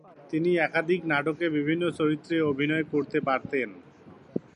তিনি একাধিক নাটকে বিভিন্ন চরিত্রে অভিনয় করতে পারতেন।